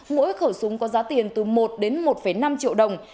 mỗi khẩu súng có giá tiền từ một đến một năm triệu đồng